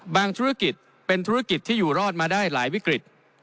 ธุรกิจเป็นธุรกิจที่อยู่รอดมาได้หลายวิกฤต